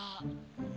cuek aja lah